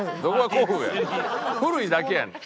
古いだけやねん！